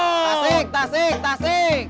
tasik tasik tasik